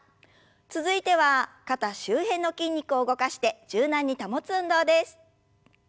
続いては肩周辺の筋肉を動かして柔軟に保つ運動です。